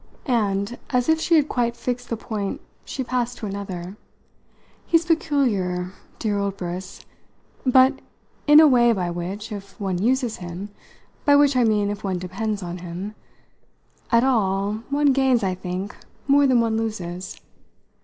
And as if she had quite fixed the point she passed to another. "He's peculiar, dear old Briss, but in a way by which, if one uses him by which, I mean, if one depends on him at all, one gains, I think, more than one loses.